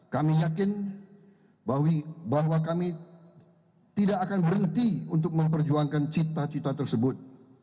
kami yakin bahwa kami tidak akan berhenti untuk memperjuangkan cita cita tersebut